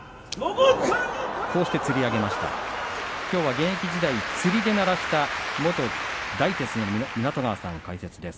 現役時代つりで鳴らした元大徹の湊川さんが解説です。